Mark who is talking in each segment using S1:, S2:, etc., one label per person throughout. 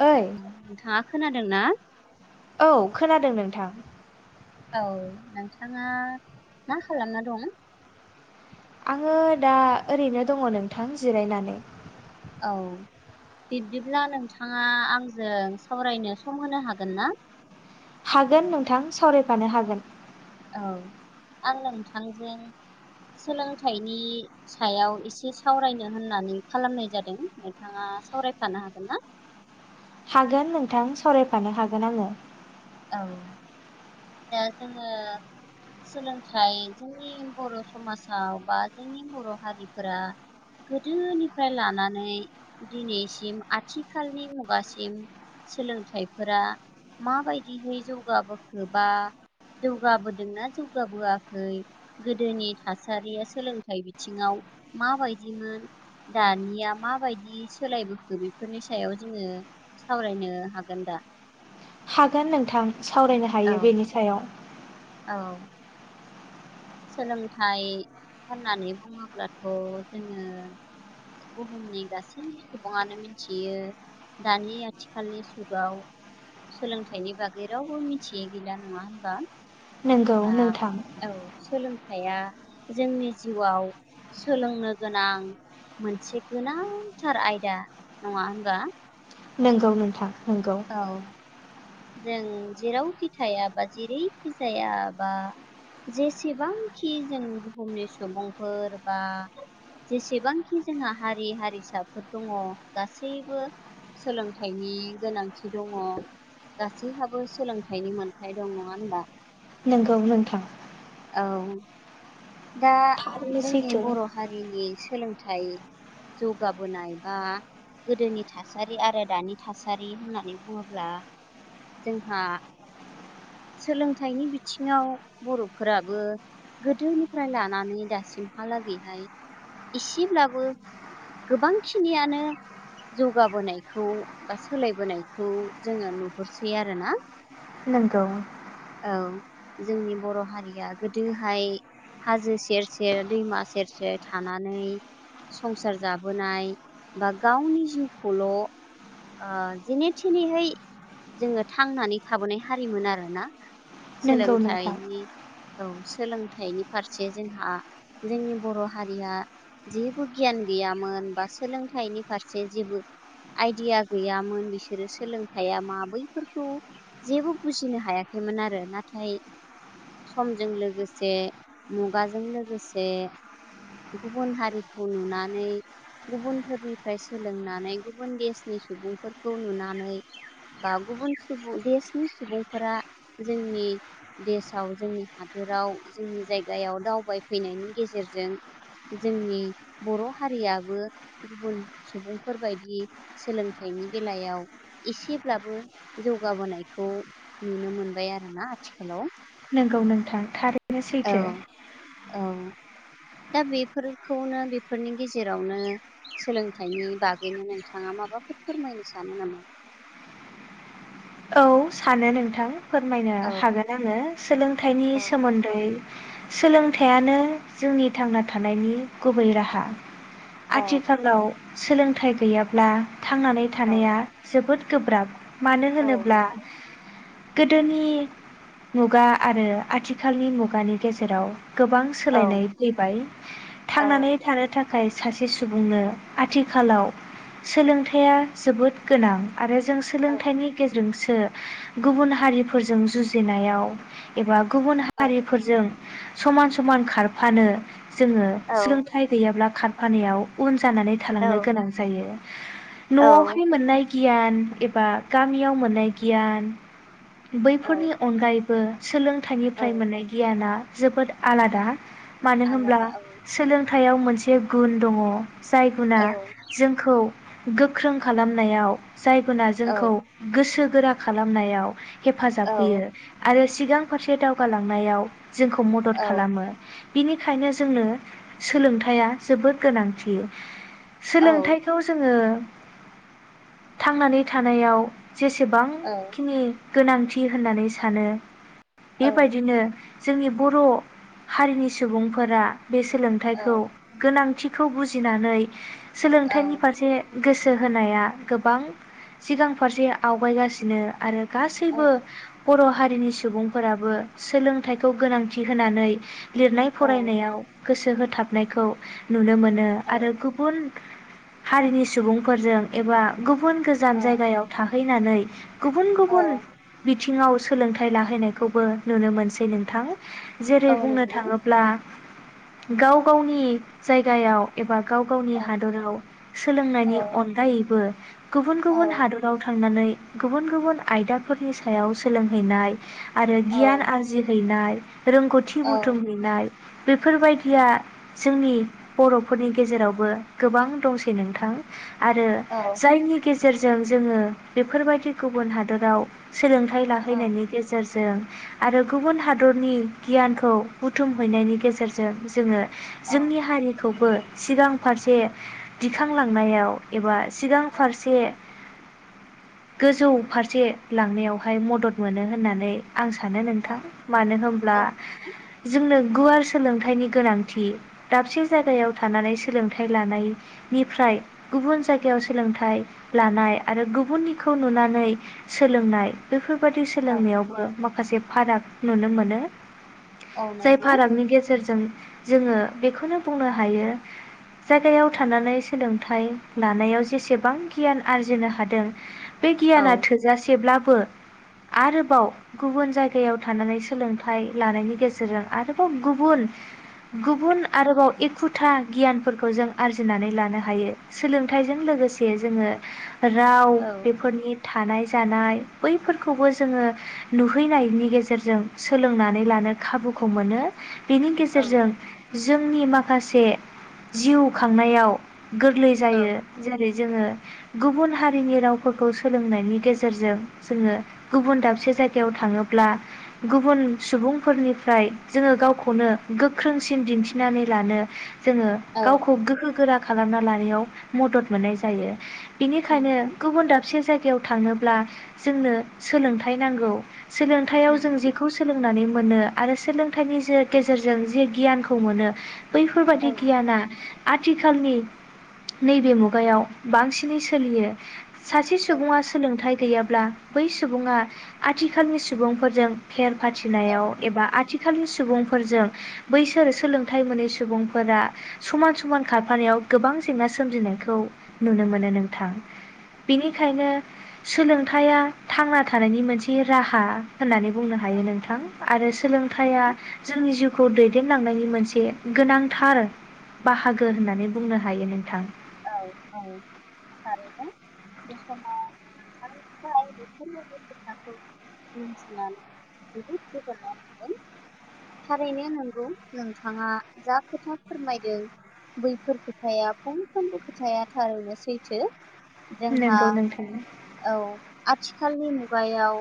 S1: ओइ
S2: अ' नोंथाङा खोनाद दो ना?
S1: औ खोनादों नोंथां।
S2: औ नोंथाङा मा खालामना दं?
S1: ङो दा ओरैनो दङ नोंथां जिरायनानै।
S2: औ बिब्दिब्ला नोंथाङा आंजों सावरायनो सम होनो हागोन ना?
S1: हागोन नोंथां सावरायफानो हागोन।
S2: औ आं नोंथांजों सोलोंथाइनि सायाव एसे सावरायनो होननानै खालामनाय जादों नोंथाङा सावरायफानो हागोन ना?
S1: हागोन नोंथां सावरायफानो हागोन आङो।
S2: औ दा जोङो सोलोंथाइ जोंनि बर' समाजाव बा जोंनि बर' हारिफोरा गोदोनिफ्राय लानानै दिनैसिम आथिखालनि मुगासिम सोलोंथाइफोरा माबाय दिहै जौगाबोखो बा जौगाबोदोंना जौगाबोआखै गोदोनि थासारिया सोलोंथाइ बिथिङाव माबायदिमोन दानिया माबायदि सोलायबोखो बेफोरनि सायाव जोङो सावरायनो हागोन दा?
S1: हागोन नोंथां। सावरायनो हायो बेनि सायाव।
S2: औ औ सोलोंथाइ होननानै बुङोब्लाथ' जोङो बुहुमनि गासै सुबुङानो मिथियो दानि आथिखालनि जुगाव सोलोंथाइनि बागै रावबो मिथियै गैला नङा होनबा?
S1: नोंगौ
S2: दा
S1: नोंथां।
S2: औ सोलोंथाइया जोंनि जिउआव सोलोंनो गोनां मोनसे गोनांथार आयदा नङा होमबा?
S1: नंगौ नोंथां। नोंगौ।
S2: जों जेरावखि थाया बा जेरैखि जाया बा जेसेबांखि जों बुहुमनि सुबुंफोर बा जेसेबांखि जोंहा हारि हारिसाफोर दङ गासैबो सोलोंथाइनि गोनां थि दङ। गासैहाबो सोलोंथाइनि मोनथाय दं नङा होनबा?
S1: नोंगौ नोंथां।
S2: औ। दा
S1: थारैनो
S2: जोंनि
S1: सैथो
S2: बर' हारिनि सोलोंथाइ जौगाबोनाय बा गोदोनि थासारि आरो दानि थासारि होननानै बुङोब्ला जोंहा सोलोंथाइनि बिथिङाव बर'फोराबो गोदोनि फ्राय लानानै दासिमहालागैहाय एसेब्लाबो गोबांखिनियानो जौगाबोनायखौ बा सोलायबोनायखौ जोङो नुहुरसै आरोना।
S1: नंगौ।
S2: औ जोंनि बर' हारिया गोदोहाय हाजो सेर सेर दैमा सेर सेर थानानै संसार जाबोनाय बा गावनि जिउखौल' आ जेने थेनेहै जोङो थांनानै थाबोनाय हारिमोन आरोना।
S1: नोंगौ नोंथां
S2: सोलोंथाइनि औ सोलोंथाइनि फारसे जोंहा जोंनि बर' हारिया जेबो गियान गैयामोन बा सोलोंथाइनि फारसे जेबो आयदिया गैयामोन बिसोरो सोलोंथाइया मा बैफोरखौ जेबो बुजिनो हायाखैमोन आरो नाथाय समजों लोगोसे मुगाजों लोगोसे गुबुन हारिखौ नुनानै गुबुनफोरनिफ्राय सोलोंनानै गुबुन देशनि सुबुंफोरखौ नुनानै बा गुबुन सुबुं देशनि सुबुंफोरा जोंनि देशआव जोंनि हादोराव जोंनि जायगायाव दावबायफैनायनि गेजेरजों जोंनि बर' हारियाबो गुबुन सुबुंफोरबायायदि सोलोंथाइनि बेलायाव एसेब्लाबो जौगाबोनायखौ नुनो मोनबाय आरोना आथिखालाव?
S1: नंगौ नोंथां थारैनो
S2: औ
S1: सैथो।
S2: औ दा बेफोरखौनो बेफोरनि गेजेरावनो सोलोंथाइनि बागैनो नोंथाङा माबाफोर फोरमायनो सानो नामा?
S1: औ सानो नोंथां। फोरमायनो
S2: औ
S1: हागोन आङो सोलोंथाइनि
S2: औ
S1: सोमोन्दै सोलोंथायाइानो जोंनि थांना थानायनि गुबै राहा।
S2: औ
S1: आथिखालाव सोलोंथाइ गैयाब्ला थांनानै थानाया जोबोद गोब्राब। मानो
S2: औ
S1: होनोब्ला
S2: नंगौ
S1: गोदोनि मुगा आरो आथिखालनि मुगानि गेजेराव गोबां
S2: औ
S1: सोलायनाय फैबाय थांनानै
S2: औ
S1: थानो थाखाय खाय सासे सुबुंनो आथिखालाव सोलोंथायाइया जोबोद गोनां। आरो जों सोलोंथाइनि गेजे जोंसो गुबुन हारिफोरजों जुजिनायाव एबा गुबुन
S2: औ
S1: हारिफोरजों समान समान खारफानो जोङो
S2: औ
S1: सोलोंथाइ गैयाब्ला। खारफानायाव उन जानानै थालांनो गोनां जायो।
S2: औ
S1: न'आवहाय मोननाय। गियान एबा गामियाव मोननाय। गियान। बैफोरनि अनगायै। बो सोलों
S2: औ
S1: लोंथायनिफ्राय मोननाय गियाना। जोबोद आलादा। मानो होनब्ला
S2: आलादा औ
S1: सोलोंथायाइयाव मोन मोनसे गुन दङ। जाय गुना
S2: औ
S1: जोंखौ गोख्रों खालामनायाव। जाय गुना
S2: औ
S1: जोंखौ गोसो गोरा खालामनायाव। हेफाजाब होयो
S2: औ
S1: आरो। सिगां फारसे दावगालांनायाव जोंखौ मदद
S2: औ
S1: खालामो। बिनिखायनो जोंनो सोलोंथायाइया जोबोद गोनांथि।
S2: औ
S1: सोलोंथाइखौ जोङो थांनानै थानायाव जेसे जेसेबांखिनि गोनांथि होननानै सानो।
S2: औ
S1: बेबायदिनो। जोंनि बर' हारिनि सुबुंफोरा बे
S2: औ
S1: सोलोंथाइखौ गोनांथि। खौ बुजिनानै
S2: औ
S1: सोलोंथाइनि फारसे गोसो होनाया गोबां सिगां फारसे आवगायगासिनो आरो।
S2: औ
S1: गासैबो बर' हारि। हारिनि सुबुंफोराबो सोलोंथाइखौ गोनांथि होनानै लिरनाय
S2: औ
S1: फरायनायाव। गोसो होथाबनायखौ नुनो मोनो ओ आरो गुबुन हारिनि सुबुंफोरजों एबा गुब गुबुन गोजान
S2: औ
S1: जायगायाव थां फैनानै गुबुन
S2: औ
S1: गुबुन बि बिथिङाव सोलोंथाइ लाहैयखौबो नुनो मोनसै नोंथां
S2: औ
S1: जेरै बुंनो
S2: नंगौ
S1: थाङोब्ला गाव गावनि जायगायाव एबा गाव
S2: औ
S1: गावनि हादराव
S2: औ
S1: सोलोंनायनि अनगायैबो गुबुन
S2: औ
S1: गुबुन हादराव नानै गुबुन गुबुन आयदाफोरनि सायाव सोलोंहैनाय आरो
S2: औ
S1: गियान आरजिहैनाय रोंगौथि
S2: औ
S1: बुथुमहैनाय बेफोर बायदिया जोंनि बर'फोरनि गेजेरावबो गोबां दंसै नोंथां आरो
S2: औ
S1: जायनि गेजेराव सेरजों जोङो बेफोर बायदि गुबुन हादोराव सोलोंथाइ
S2: औ
S1: लाहैनायनि गेजेरजों जों आरो गुबुन हादरनि गियानखौ बुथुम हैैनायनि गेजेरजों जोङो जोंनि हारि खौबो सिगां फारसे दिखांलांनायाव एबा सिगां फारसे गोजौ फारसे लांनायावहाय मदद मोनो होननानै आं सानो नोंथां मानो होनब्ला
S2: औ
S1: जोंनो गुवार सोलोंथाइनि गोनांथि दाबसे जायगायाव थानानै सोलोंथाइ लानायनिफ्राय गुबुन जायगायाव सोलोंथाइ लानाय आरो गुबुननि खौ नुनानै सोलोंनाय बेफोर बेबाददि सोलोंनायावबो मा माखासे फाराग नुनो मोनो
S2: औ
S1: जाय
S2: नंगौ
S1: भारागनि गेजेरजों जोङो बेखौनो बुंनो हायो जायगायाव थानानै सोलोंथाइ लानायाव जेसेबां गियान आरजिनो हादों बे
S2: औ
S1: गियाना थोजासेब्ला बो आरोबाव गुबुन जायगायाव थानानै सोलोंथाइ लानायनि गेजेरजों आरोबाव गुबुन गुबुन आरोबाव एखुथा गियानफोरखौ जों आरजिनानै लानो हायो सोलोंथाइजों लोगोसे जोङो राव
S2: औ
S1: बेफोरनि थानाय जानाय बैफोरखौबो जोङो नुहैनायनि गेजेरजों सोलोंनानै लानो खाबुखौ मोनो। बेनि गेजेरजों जोंनि माखासे जिउ खांनायाव। गोरलै जायो जेरै जोङो गुबुन हारिनि राव फोरखौ सोलोंनायनि गेजेरजों जोङो गुबुन दाबसे जायगायाव थाङोब्ला गुबुन सुबुंफोरनिफ्राय जोङो गावखौनो गोख्रोंसिन दिन्थिनानै लानो जोङो
S2: औ
S1: गावखौ गोहो गोरा खालामना लायिाव मदद मोननाय जायो। बिनिखायनो।
S2: नंगौ
S1: से जायगायाव थांङोब्ला जोंनो सोलोंथाइ नांगौ। सोलोंथायाइयाव जों
S2: नंगौ
S1: जेखौ सोलोंनानै मोनो आरो सोलोंथाइनि जे गेजेरजों जे गियानखौ मोनो। बैफोरबादि
S2: औ
S1: गियानआ। आथिखालनि नैबे मुगायाव बांसिनै सोलियो।
S2: औ
S1: सासे सुबुङा सोलोंथाइ गैयाब्ला बै सुबुङा आथिखालनि सुबुंफोरजों फेर
S2: औ औ
S1: फाथिनायाव एबा आथि खालनि सुबुंफोरजों बैसोरो सोलोंथाइ मोनै सुबुं फोर समान समान खारफानायाव गोबां जेंना सोमजिनायखौ नुनो मोनो नोंथां। बेनिखायनो सोलोंथायाइा थांना थानायनि मोनसे राहा। होननानै बुंनो हायो नोंथां आरो
S2: औ
S1: सोलोंथाइया जोंनि जिउ खौ दैदेनलांनायनि मोनसे गोनांथार बाहागो होननानै बुंनो हायो नोंथां।
S2: औऔ थारैनो बे समाव नोंथांनिफ्राय बेफोरबायदि खोथाखौ मिथिनानै जोबोद गोजोननाय मोनदों थारैनो नंगौ नोंथाङा जा खोथा फोरमायदों बैफोर खोथाया फुं साफ्रोमबो खोथाया थारैनो सैथो। जोंहा
S1: नंगौ नोंथां
S2: औ आथि आथिखालनि मुगायाव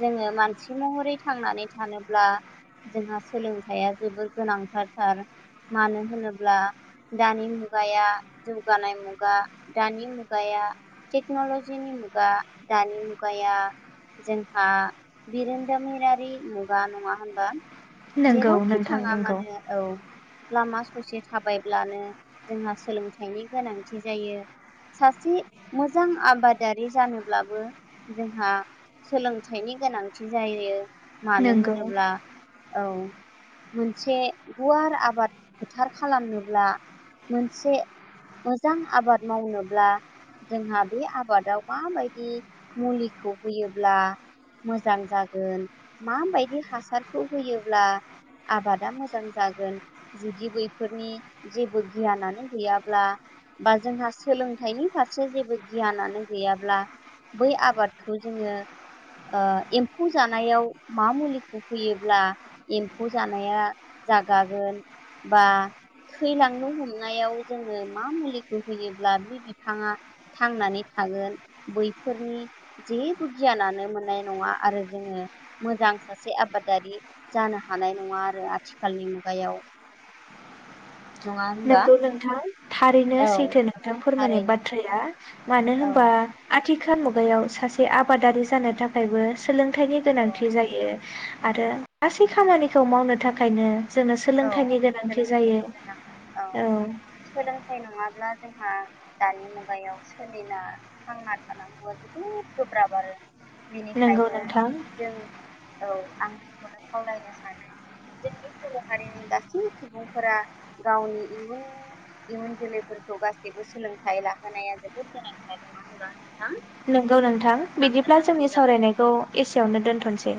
S2: जोङो मानसि महरै थांनानै थानोब्ला जोंहा सोलोंथाइया जोबोर गोनांथारथार मानो होनोब्ला दानि मुगाया जौगानाय मुगा दानि मुगाया टेक्न'लजिनि मुगा दानि मुगाया जोंहा बिरोनदामिरारि मुगा नङा होमबा।
S1: नंगौ
S2: जेरावखि
S1: नोंथां
S2: थाङा
S1: नंगौ
S2: मानो औ लामा खौसे थाबायब्लानो जोंहा सोलों थाइनि गोनांथि जायो सासे मोजां आबादारि जानोब्लाबो जोंहा सोलोंथाइनि गोनांथि जायो। मानो
S1: नंगौ
S2: होनोब्ला औ। मोनसे गुवार आबाद फोथार खालामनोब्ला मोनसे मोजां आबाद मावनोब्ला जोंहा बे आबादाव माबायदि मुलिखौ होयोब्ला मोजां जागोन माबायदि हासारखौ होयोब्ला आबादा मोजां जागोन जुदि बैफोरनि जेबो गियानानो गैया ब्ला बा जोंहा सोलोंथाइनि फारसे जेबो गियानानो गैयाब्ला बै आबादखौ जोङो ओ एम्फौ जानायाव मा मुलिखौ होयोब्ला एम्फौ जानाया जागागोन बा थैलांनो हमनायाव जोंङो मा मुलिखौ होयोब्ला बे बिफांङा थांनानै थागोन बैफोरनि जेबो गियानानो मोननाय नंङा आरो जोंङो मोजां सासे आबादारि जानो हानाय नंङा आरो आथिखालनि मुगायाव। नङा होनबा
S1: नोंगौ नोंथां थारैनो
S2: औ
S1: सैथो नोंथां फोरमायनाय
S2: थारैनो
S1: बाथ्राया मानो
S2: औ
S1: होनबा आथ थिखा मुगायाव सासे आबादारि जानो थाखायबो सोलोंथाइनि गोनांथि
S2: औ
S1: जायो आरो गासै खामानिखौ मावनो थाखायनो जोंङो सोलोंथाइनि गोनांथि
S2: सोलोंथाइ
S1: जायो।
S2: गोनां औ सोलोंथाइ नंङाब्ला जोंहा दानि मुगायाव सोलिना थांना थानांगौआ जोबोद गोब्राब आरो
S1: नंगौ
S2: बेनिखायनो
S1: नोंथां
S2: जों औ आं बेखौनो खावलायनो सानो जोंनि हारिनि गासै सुबुंफोरा गावनि इयुननि इयुन जोलैफोरखौ गासैबो सोलोंथाइ लाहोनाया जोबोद गोनांथार नंङा होनबा।
S1: नोंगौ नोंथां बिदिब्ला
S2: जोंना सम
S1: जोंनि
S2: जाबाय
S1: सावरायनायखौ एसेयावनो दोन्थसै।